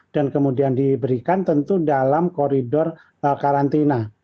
dan kemudian diberikan tentu dalam koridor karantina